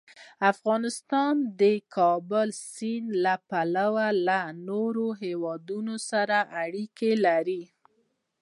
افغانستان د د کابل سیند له پلوه له نورو هېوادونو سره اړیکې لري.